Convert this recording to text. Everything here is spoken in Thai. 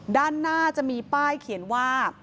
ด้านหน้าจะมีป้ายเขียนว่า